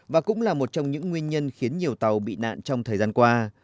và cũng là một trong những nguyên nhân khiến nhiều tàu bị nạn trong thời gian qua